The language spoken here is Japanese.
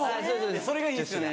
それがいいんですよね